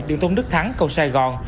đường tôn đức thắng cầu sài gòn